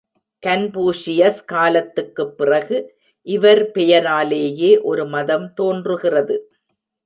Confucius காலத்துக்குப் பிறகு இவர் பெயராலேயே ஒரு மதம் தோன்றுகிறது.